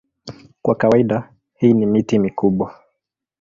Kwa kawaida hii ni miti mikubwa.